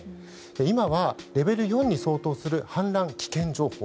今はレベル４に相当する氾濫危険情報。